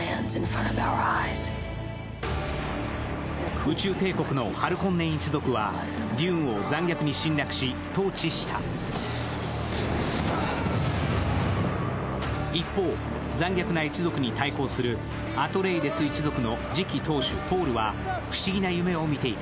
宇宙帝国のハルコンネン一族はＤＵＮＥを残虐に侵略し、統治した一方、残虐な一族に対抗するアトレイデス一族の次期当主・ポールは不思議な夢を見ていた。